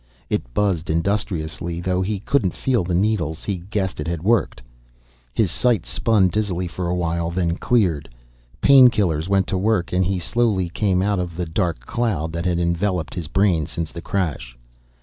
It buzzed industriously, though he couldn't feel the needles, he guessed it had worked. His sight spun dizzily for a while then cleared. Pain killers went to work and he slowly came out of the dark cloud that had enveloped his brain since the crash.